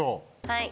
はい！